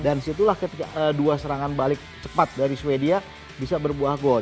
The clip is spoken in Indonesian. dan situlah ketika dua serangan balik cepat dari sweden bisa berbuah gol